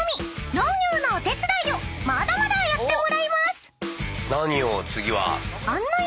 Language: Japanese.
農業のお手伝いをまだまだやってもらいます］